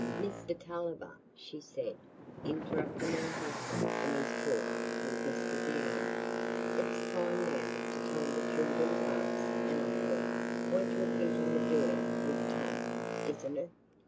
"Mr Tulliver," she said, interrupting her husband in his talk with Mr Deane, "it's time now to tell the children's aunts and uncles what you're thinking of doing with Tom, isn't it?"